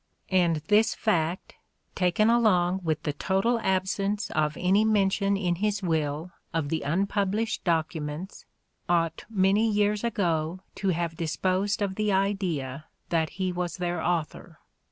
And this fact taken along with the total absence of any mention in his will of the unpublished documents ought many years ago to have disposed of the idea that he was their author.